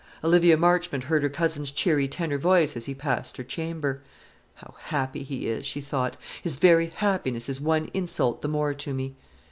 Olivia Marchmont heard her cousin's cheery tenor voice as he passed her chamber. "How happy he is!" she thought. "His very happiness is one insult the more to me."